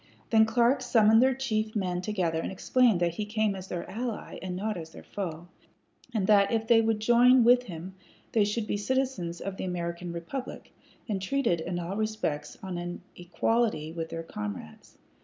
Then Clark summoned their chief men together and explained that he came as their ally, and not as their foe, and that if they would join with him they should be citizens of the American republic, and treated in all respects on an equality with their comrades.